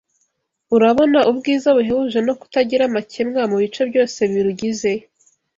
urabona ubwiza buhebuje no kutagira amakemwa mu bice byose birugize